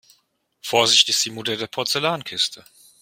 Vorsicht ist die Mutter der Porzellankiste.